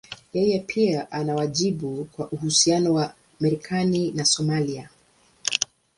Yeye pia ana wajibu kwa uhusiano wa Marekani na Somalia.